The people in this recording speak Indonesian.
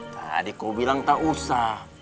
tadi kau bilang tak usah